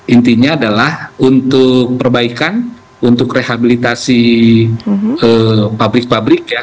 intinya adalah untuk perbaikan untuk rehabilitasi pabrik pabrik ya